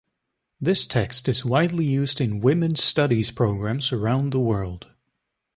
This text is widely used in Women's Studies programs around the world.